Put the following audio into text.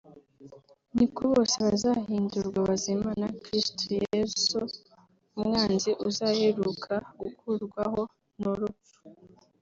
ni ko bose bazahindurwa bazima na Kristo Yesu… Umwanzi uzaheruka gukurwaho ni urupfu